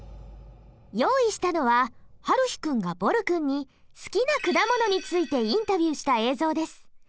用意したのははるひ君がぼる君に好きな果物についてインタビューした映像です。